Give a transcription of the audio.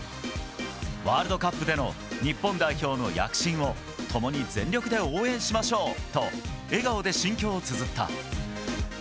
ワールドカップでの日本代表の躍進を、共に全力で応援しましょうと、笑顔で心境をつづった。